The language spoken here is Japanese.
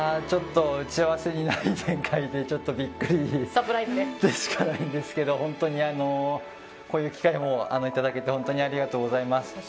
ちょっと打ち合わせにない展開でびっくりでしかないんですけど本当にこういう機会をいただけて本当にありがとうございます。